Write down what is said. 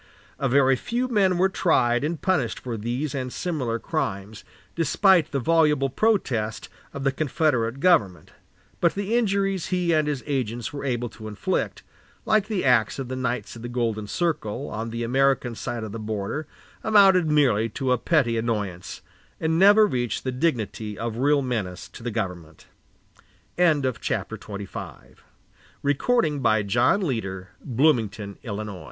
A very few men were tried and punished for these and similar crimes, despite the voluble protest of the Confederate government but the injuries he and his agents were able to inflict, like the acts of the Knights of the Golden Circle on the American side of the border, amounted merely to a petty annoyance, and never reached the dignity of real menace to the government. XXVI Burnside Fredericksburg A Tangle of Cross Purposes Hooker Succeeds Burnsid